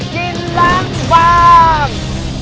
กินล้างบาง